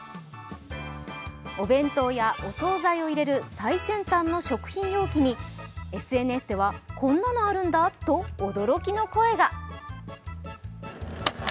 お弁当やお総菜を入れる最先端の食品容器にＳＮＳでは、こんなのあるんだと驚きの声が。